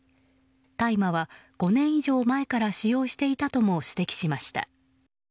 大麻は５年以上前から使用していたとも指摘しました。